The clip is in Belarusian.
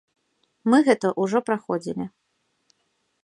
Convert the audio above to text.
Мы гэта ўжо праходзілі.